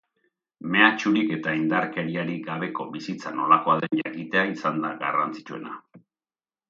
Mehatxurik eta indarkeriarik gabeko bizitza nolakoa den jakitea izan da garrantzitsuena.